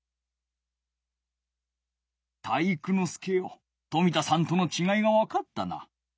体育ノ介よ冨田さんとのちがいがわかったな。